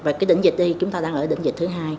và cái đỉnh dịch đi chúng ta đang ở đỉnh dịch thứ hai